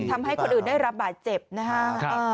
ทำให้คนอื่นได้รับบาดเจ็บนะฮะ